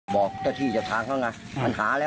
บ่อเจ้าที่จะทางเขาไง